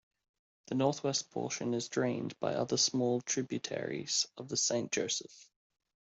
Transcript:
The northwest portion is drained by other small tributaries of the Saint Joseph.